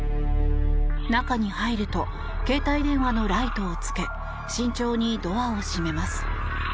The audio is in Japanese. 中に入ると携帯電話のライトをつけ慎重にドアを閉めます。